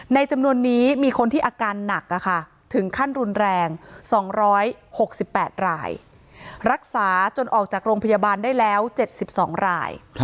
จำนวนนี้มีคนที่อาการหนักถึงขั้นรุนแรง๒๖๘รายรักษาจนออกจากโรงพยาบาลได้แล้ว๗๒ราย